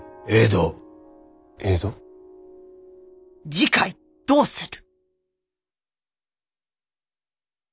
次回どうする。